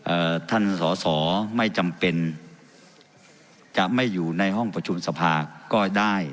ท่านสอสอไม่จำเป็นจะไม่อยู่ในห้องประชุมสภาก็ได้